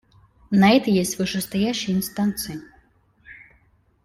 На это есть вышестоящие инстанции.